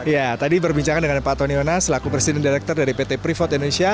ya tadi berbincang dengan pak tony onas selaku presiden direktur dari pt privat indonesia